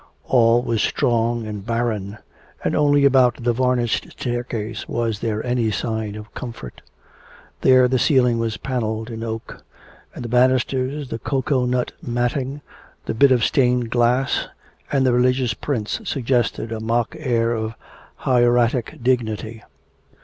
All was strong and barren, and only about the varnished staircase was there any sign of comfort. There the ceiling was panelled in oak; and the banisters, the cocoa nut matting, the bit of stained glass, and the religious prints, suggested a mock air of hieratic dignity.